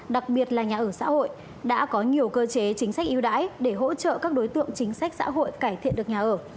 đặc biệt là nhà ở xã hội đã có nhiều cơ chế chính sách yêu đãi để hỗ trợ các đối tượng chính sách xã hội cải thiện được nhà ở